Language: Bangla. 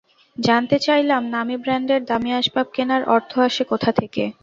জানতে চাইলাম, নামী ব্র্যান্ডের দামি আসবাব কেনার অর্থ আসে কোথা থেকে?